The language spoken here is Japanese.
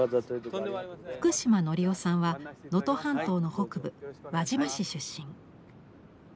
福嶋則夫さんは能登半島の北部輪島市出身。